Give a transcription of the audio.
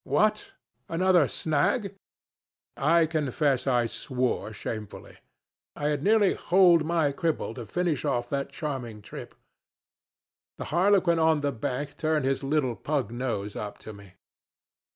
What! Another snag? I confess I swore shamefully. I had nearly holed my cripple, to finish off that charming trip. The harlequin on the bank turned his little pug nose up to me.